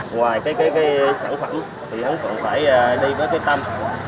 ngoài cái sản phẩm thì ông phượng phải đi với cái tâm